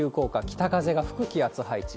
北風が吹く気圧配置。